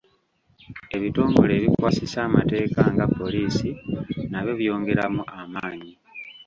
Ebitongole ebikwasisa amateeka nga poliisi nabyo byongeremu amaanyi.